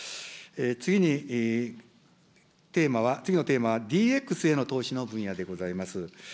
次に、テーマは、次のテーマはＤＸへの投資の分野でございます。